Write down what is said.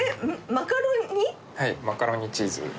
はい、マカロニチーズ。